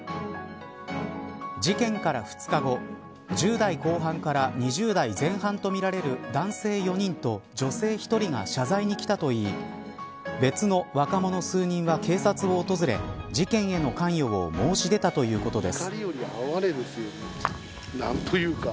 事件から２日後１０代後半から２０代前半とみられる男性４人と女性１人が謝罪に来たといい別の若者数人は警察を訪れ事件への関与を申し出たということです。